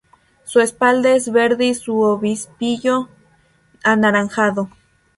Su espalda es verde y su obispillo anaranjado.